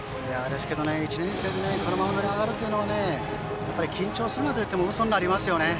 １年生でこのマウンドに上がるというのは緊張しないと言ってもうそになりますよね。